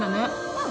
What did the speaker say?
うん。